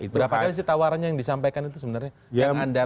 berapa kali sih tawarannya yang disampaikan itu sebenarnya yang anda